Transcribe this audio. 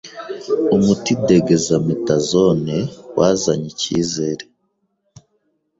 Umuti dexamethasone wazanye icizere